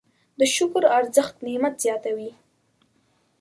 د شکر ارزښت نعمت زیاتوي.